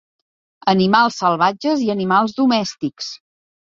Animals salvatges i animals domèstics.